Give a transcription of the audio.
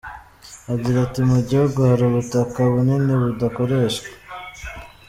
Agira ati “Mu gihugu hari ubutaka bunini budakoreshwa.